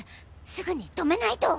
すぐに止めないと！